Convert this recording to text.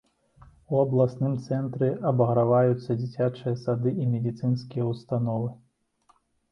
У абласным цэнтры абаграваюцца дзіцячыя сады і медыцынскія ўстановы.